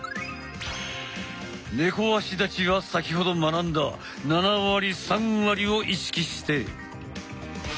猫足立ちは先ほど学んだ７割３割を意識して！